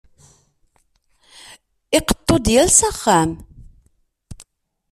Iqeṭṭu-d yal s axxam.